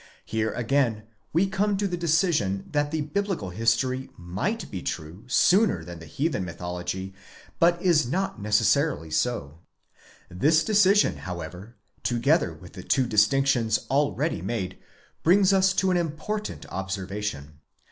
Here, again, we come to the decision that the biblical history mzght be true sooner than the heathen mythology, but is not necessarily so. This decision however, together with the two distinctions already made, brings us to an important observation.